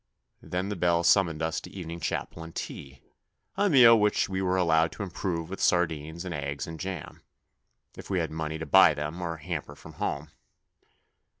Then the bell summoned us to evening chapel and tea a meal which we were allowed to improve with sardines and eggs and jam, if we had money to buy them or a hamper from home.